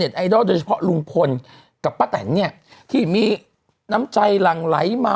มรินิธิว่าเฮ้ยมีผู้ชายอายุ๒๐ปีเนี่ยเสียชีวิตอยู่ภายในห้องน้ำ